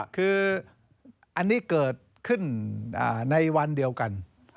คืออันนี้เกิดขึ้นในวันเดียวกัน